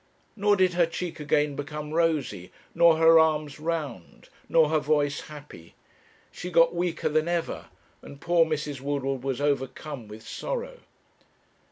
Nor did her cheek again become rosy, nor her arms round, nor her voice happy. She got weaker than ever, and poor Mrs. Woodward was overcome with sorrow.